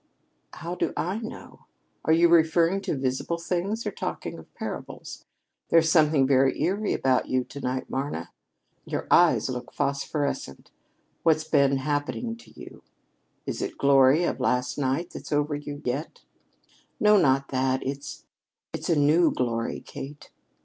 "How do I know? Are you referring to visible things or talking in parables? There's something very eerie about you to night, Marna. Your eyes look phosphorescent. What's been happening to you? Is it the glory of last night that's over you yet?" "No, not that. It's it's a new glory, Kate."